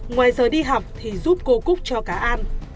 ngoài giờ đi học thì giúp cô cúc cho cá ăn